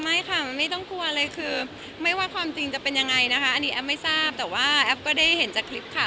จริงค่ะแล้วก็คือขอบคุณที่เข้าใจในสถานการณ์ค่ะ